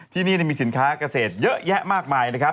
ที่นี่มีสินค้าเกษตรเยอะแยะมากมายนะครับ